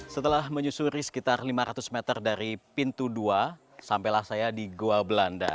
setelah menyusuri sekitar lima ratus meter dari pintu dua sampailah saya di goa belanda